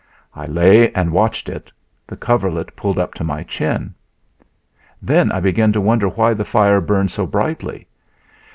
I lay and watched it, the coverlet pulled up to my chin. Then I began to wonder why the fire burned so brightly.